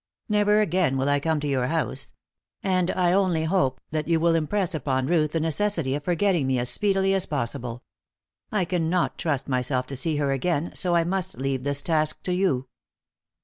Never again will I come to your house; and I only hope that you will impress upon Ruth the necessity of forgetting me as speedily as possible. I cannot trust myself to see her again, so I must leave this task to you."